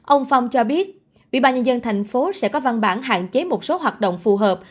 ông phong cho biết bị ba nhân dân thành phố sẽ có văn bản hạn chế một số hoạt động phù hợp